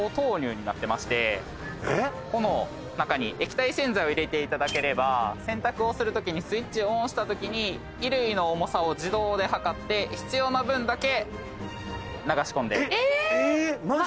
この中に液体洗剤を入れていただければ洗濯をするときにスイッチをオンしたときに衣類の重さを自動で量って必要な分だけ流し込んで。